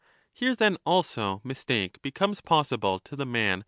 Here then also mistake becomes possible to the man who pos 9 24 = E.